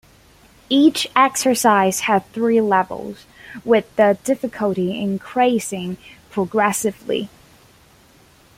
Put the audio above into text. Each exercise has three levels, with the difficulty increasing progressively.